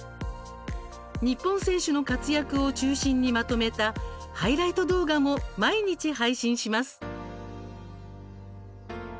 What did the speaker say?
日本選手の活躍を中心にまとめた「ハイライト動画」も毎日、配信します。